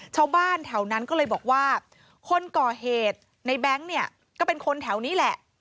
ชาวบ้านแถวนั้นก็เลยบอกว่าคนก่อเหตุในแบงค์เนี่ยก็เป็นคนแถวนี้แหละ